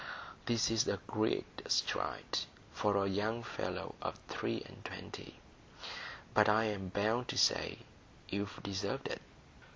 This is a great stride for a young fellow of three and twenty, but I'm bound to say you've deserved it."